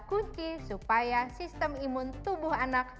kunci supaya sistem imun tubuh anak